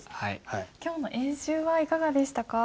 今日の演習はいかがでしたか？